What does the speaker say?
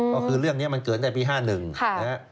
ก็คือเรื่องนี้มันเกิดตั้งแต่ปี๕๑นะฮะ